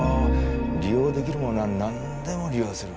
利用出来るものはなんでも利用する。